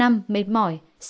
năm mệt mỏi